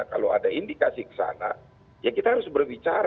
kalau ada indikasi kesana ya kita harus berbicara